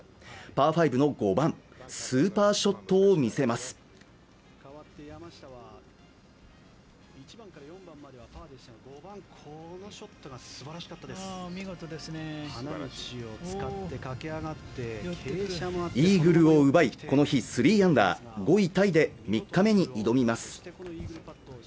パー５の５番スーパーショットを見せますイーグルを奪いこの日３アンダー５位タイで３日目に挑みます